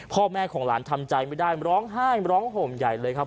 พ่อแม่ของหลานทำใจไม่ได้ร้องไห้ร้องห่มใหญ่เลยครับ